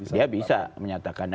dia bisa menyatakan